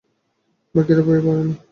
বাকিরা ভয়ে পারে না।